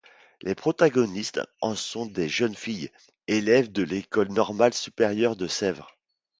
Les protagonistes en sont des jeunes filles, élèves de l'École normale supérieure de Sèvres.